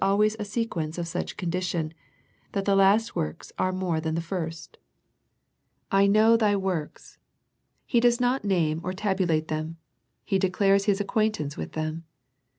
First Century Message sequence of such condition, that the last works are more than the first. " I know thy works." He does not name or tabulate them. He declares His acquaintaoce with them.